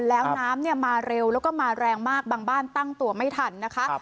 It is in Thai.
แล้วน้ำมาเร็วแล้วก็มาแรงมากบางบ้านตั้งตัวไม่ทันนะคะ